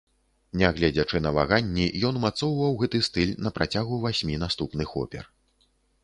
Нягледзячы на ваганні, ён умацоўваў гэты стыль на працягу васьмі наступных опер.